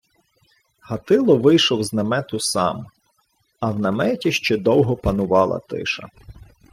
Гатило вийшов з намету сам, а в наметі ще довго панувала тиша.